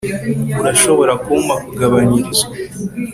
Urashobora kumpa kugabanyirizwa